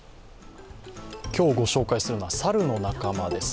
今日ご紹介するのは猿の仲間です。